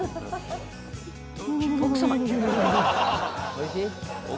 おいしい？